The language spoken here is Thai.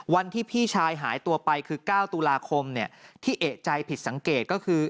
วันที่พี่ชายหายตัวไปคือ๙ตุลาคมที่เอกใจผิดสังเกตก็คือ